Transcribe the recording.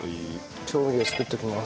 調味料作っておきます。